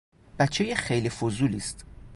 بچۀ خیلی فضولیست